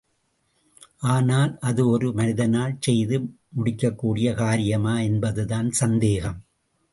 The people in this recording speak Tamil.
ஆனால், அது ஒரு மனிதனால் செய்து முடிக்கக்கூடிய காரியமா என்பதுதான் சந்தேகம்.